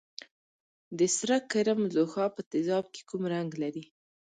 د سره کرم ځوښا په تیزاب کې کوم رنګ لري؟